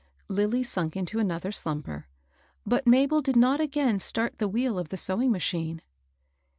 Lilly sunk into another slumber. But Mabel did not again start the wheel of the sewing machine.